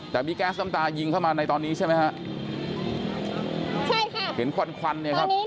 แต่มีแก๊สน้ำตายิงเข้ามาในตอนนี้ใช่ไหมฮะใช่ค่ะเห็นควันควันเนี่ยครับ